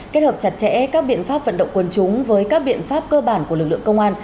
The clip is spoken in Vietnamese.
kết hợp chặt chẽ các biện pháp vận động quân chúng với các biện pháp cơ bản của lực lượng công an